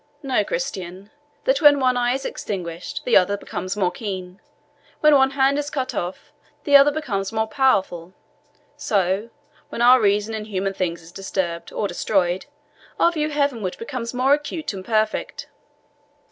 "Know, Christian, that when one eye is extinguished, the other becomes more keen; when one hand is cut off, the other becomes more powerful; so, when our reason in human things is disturbed or destroyed, our view heavenward becomes more acute and perfect."